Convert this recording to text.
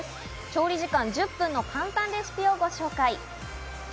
調理時間１０分の簡単レシピをご紹介。